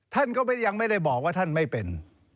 ท่านก็ยังไม่ได้บอกว่าท่านไม่เป็น